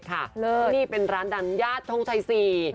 งานนี้เป็นร้านดันยาดทองแช่สี่